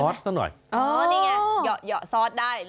ก็ใส่ซอสสักหน่อยอ๋อนี่ไงเหาะซอสได้